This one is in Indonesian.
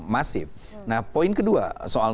masif nah poin kedua soal